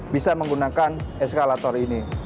bisa menggunakan eskalator ini